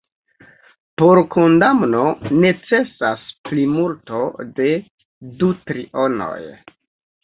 Por kondamno necesas plimulto de du trionoj.